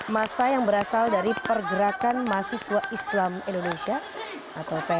masa yang berasal dari pergerakan mahasiswa islam indonesia